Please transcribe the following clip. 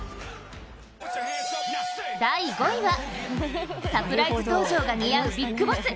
第５位は、サプライズ登場が似合うＢＩＧＢＯＳＳ。